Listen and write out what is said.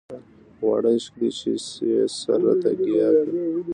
واړه عشق دی چې يې سر راته ګياه کړ.